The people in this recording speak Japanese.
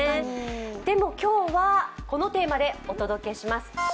でも、今日はこのテーマでお届けします。